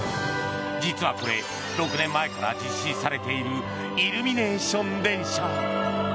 実はこれ６年前から実施されているイルミネーション電車。